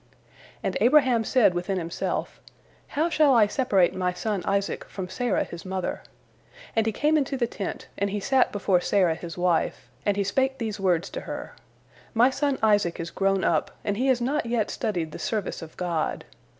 " And Abraham said within himself, "How shall I separate my son Isaac from Sarah his mother?" And he came into the tent, and he sate before Sarah his wife, and he spake these words to her: "My son Isaac is grown up, and he has not yet studied the service of God.